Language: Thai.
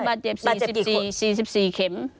บาดเจ็บกี่คน๔๔เข็ม